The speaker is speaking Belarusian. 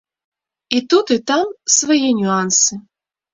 І тут, і там свае нюансы.